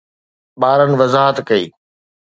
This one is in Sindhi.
ٻارن وضاحت ڪئي